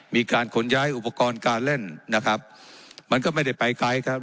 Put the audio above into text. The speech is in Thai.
มีการขนย้ายอุปกรณ์การเล่นนะครับมันก็ไม่ได้ไปไกลครับ